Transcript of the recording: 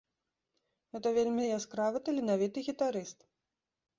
Гэта вельмі яскравы таленавіты гітарыст!